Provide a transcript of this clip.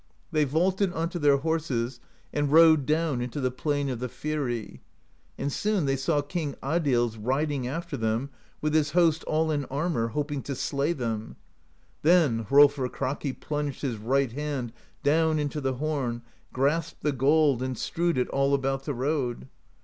They vaulted onto their horses and rode down into the Plain of the Fyri; and soon they saw King Adils riding after them with his host all in armor, hoping to slay them. Then Hrolfr Kraki plunged his right hand down into the horn, grasped the gold, and strewed it all about the road.